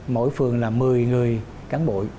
mỗi phường là một mươi người cán bội